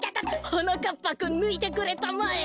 はなかっぱくんぬいてくれたまえ。